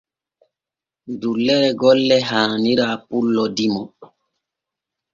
Dullere golle haanira pullo dimo.